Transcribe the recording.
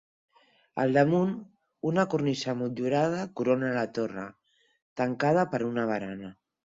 Al damunt, una cornisa motllurada corona la torre, tancada per una barana.